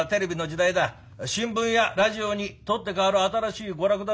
「新聞やラジオに取って代わる新しい娯楽だ！」